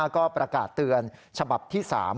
ก็ประกาศเตือนฉบับที่๓